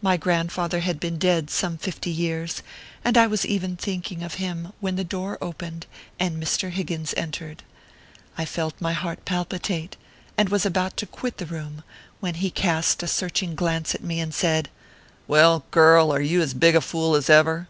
My grandfather had been dead some fifty years, and I was even thinking of him, when the door opened, and Mr. Higgins entered. I felt my heart palpitate, and was ahout to quit the room, when he cast a searching glance at me, and said :" Well, girl are you as big a fool as ever